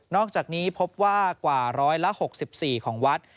อกจากนี้พบว่ากว่า๑๖๔ของวัด